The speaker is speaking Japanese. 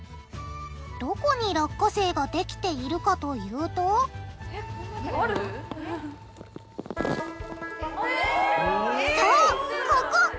どこに落花生ができているかというとそうここ！